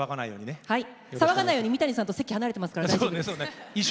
騒がないように三谷さんと席離れてますから。